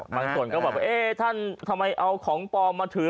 บางส่วนก็แบบว่าเอ๊ะท่านทำไมเอาของปลอมมาถือ